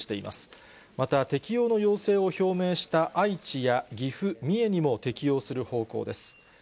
また、適用の要請を表明した愛知や岐阜、三重にも適用する方向です。